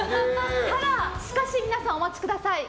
しかし皆さんお待ちください。